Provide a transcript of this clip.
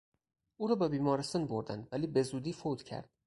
او را به بیمارستان بردند ولی به زودی فوت کرد.